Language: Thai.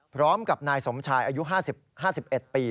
พร้อมกับนายสมชายอายุ๕๑ปี